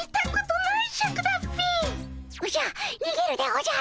おじゃ。